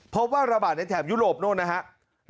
พบว่าระบาดในแถบยุโรปนู่นนะครับ